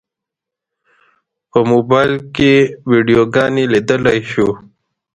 په موبایل کې ویډیوګانې لیدلی شو.